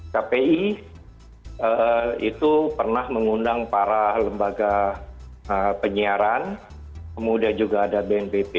kpi itu pernah mengundang para lembaga penyiaran kemudian juga ada bnpb